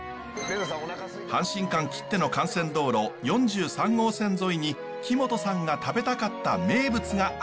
阪神間きっての幹線道路４３号線沿いに木本さんが食べたかった名物があるのだそう。